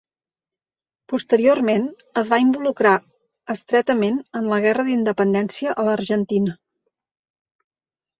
Posteriorment, es va involucrar estretament en la guerra d'independència a l'Argentina.